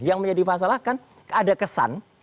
yang menjadi masalah kan ada kesan